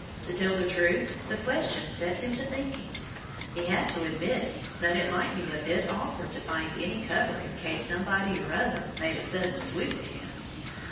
To tell the truth, the question set him to thinking. He had to admit that it might be a bit awkward to find any cover in case somebody or other made a sudden swoop at him.